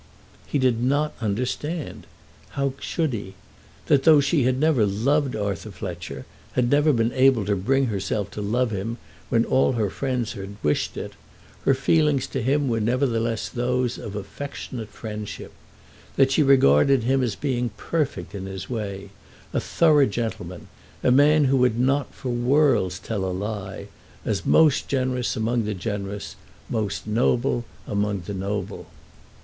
He did not understand, how should he? that though she had never loved Arthur Fletcher, had never been able to bring herself to love him when all her friends had wished it, her feelings to him were nevertheless those of affectionate friendship; that she regarded him as being perfect in his way, a thorough gentleman, a man who would not for worlds tell a lie, as most generous among the generous, most noble among the noble.